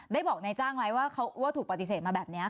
ได้บอกในจ้างไหมว่าเค้าถูกปฏิเสธมาแบบเนี้ยค่ะ